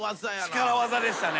力技でしたね。